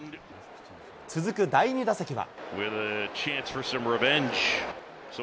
続く第２打席は。